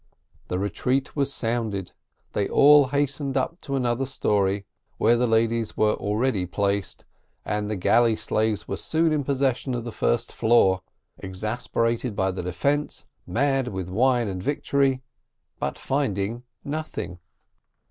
The retreat was sounded; they all hastened to the other story, where the ladies were already placed, and the galley slaves were soon in possession of the first floor exasperated by the defence, mad with wine and victory, but finding nothing.